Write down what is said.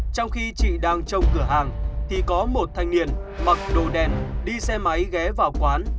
trong khi chị đang trong cửa hàng thì có một thanh niên mặc đồ đen đi xe máy ghé vào quán